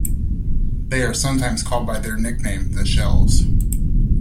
They are sometimes called by the nickname The Shells.